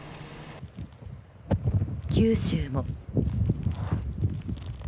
九州も。